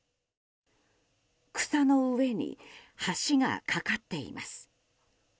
草の上に、橋が架かっています。